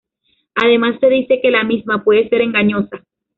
Además, se dice que la misma puede ser engañosa.